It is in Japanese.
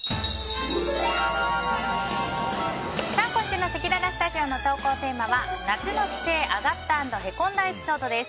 今週のせきららスタジオの投稿テーマは夏の帰省アガった＆へこんだエピソードです。